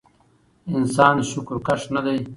انسان شکرکښ نه دی